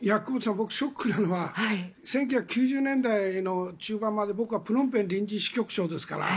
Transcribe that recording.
僕、ショックなのは１９９０年代の中盤までは僕はプノンペンの臨時支局長ですから。